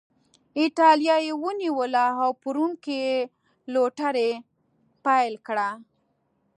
اېټالیا یې ونیوله او په روم کې یې لوټري پیل کړه.